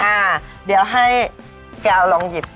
อ่าเดี๋ยวให้แก้วลองหยิบ